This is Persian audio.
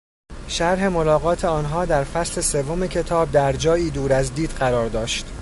شرح ملاقات آنها در فصل سوم کتاب در جایی دور از دید قرار داشت.